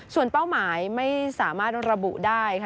ส่วนเป้าหมายไม่สามารถระบุได้ค่ะ